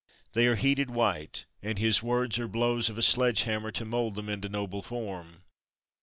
They are heated white, and his words are blows of a sledge hammer to mould them into noble form.